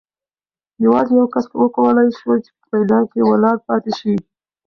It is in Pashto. یوازې یو کس وکولای شول چې په میدان کې ولاړ پاتې شي.